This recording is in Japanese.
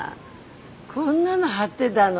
こんなの貼ってだの。